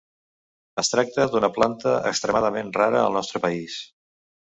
Es tracta d’una planta extremadament rara al nostre país.